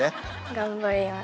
頑張ります。